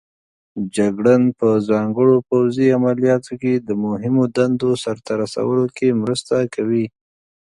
جګړن په ځانګړو پوځي عملیاتو کې د مهمو دندو سرته رسولو کې مرسته کوي.